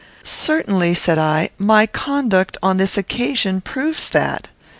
"Certainly," said I, "my conduct, on this occasion, proves that.